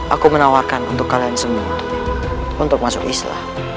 aku menawarkan untuk kalian semua untuk masuk islam